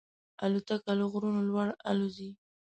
الوتکه له غرونو لوړ الوزي.